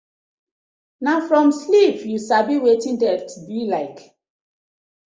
Na from sleep yu sabi wetin death bi like.